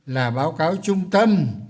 là báo cáo trung tâm